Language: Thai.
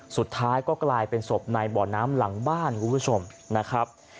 สุดท้ายก็กลายเป็นศพในบ่อน้ำหลังบ้านคุณผู้ชมนะครับ